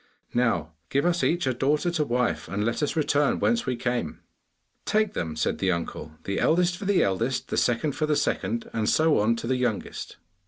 Now give us each a daughter to wife, and let us return whence we came.' 'Take them!' said the uncle; 'the eldest for the eldest, the second for the second, and so on to the youngest.